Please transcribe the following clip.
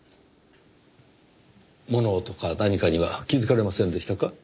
物音か何かには気づかれませんでしたか？